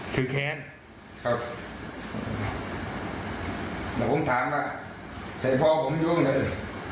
แต่ผมถามว่าใส่พ่อผมอยู่ไหน